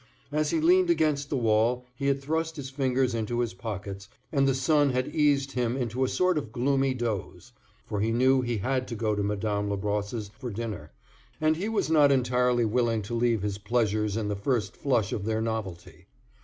As he leaned against the wall he had thrust his fingers into his pockets, and the sun had eased him into a sort of gloomy doze; for he knew he had to go to Madame Labrosse's for dinner, and he was not entirely willing to leave his pleasures in the first flush of their novelty.